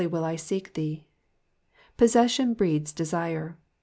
will I seek thee/'' Possession breeds desire.